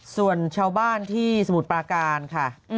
ส่วนชาวบ้านที่สมุทรปราการค่ะ